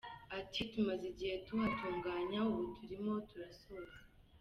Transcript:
Ati “Tumaze igihe tuhatunganya, ubu turimo turasoza.